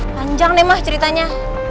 panjang nih mah ceritanya